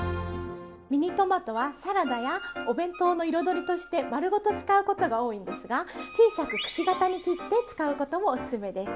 ミニトマトはサラダやお弁当の彩りとして丸ごと使うことが多いんですが小さくくし形に切って使うこともおすすめです。